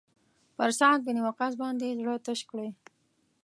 پر سعد بن وقاص باندې یې زړه تش کړی.